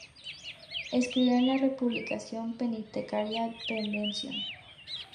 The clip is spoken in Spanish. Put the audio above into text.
Escribió en la publicación penitenciaria "Redención".